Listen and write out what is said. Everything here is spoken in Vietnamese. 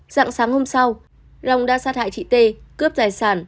giảng sáng hôm sau long đã sát hại chị tê cướp tài sản